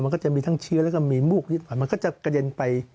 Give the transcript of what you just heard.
มันก็จะมีทั้งเชื้อแล้วก็มีมูกที่ผ่านมามันก็จะกระเด็นไป